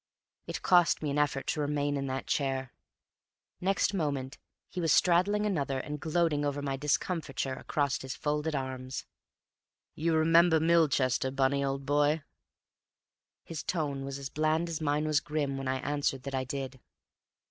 It cost me an effort to remain in that chair; next moment he was straddling another and gloating over my discomfiture across his folded arms. "You remember Milchester, Bunny, old boy?" His tone was as bland as mine was grim when I answered that I did.